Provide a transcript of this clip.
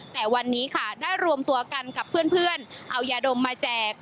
แต่วันนี้ค่ะได้รวมตัวกันกับเพื่อนเอายาดมมาแจก